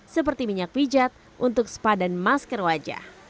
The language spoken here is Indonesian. seperti minyak pijat untuk sepadan masker wajah